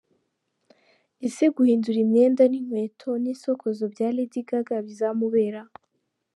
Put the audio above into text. Ese guhindura imyenda n’inkweto n’insokozo bya Lady Gaga bizamubera !.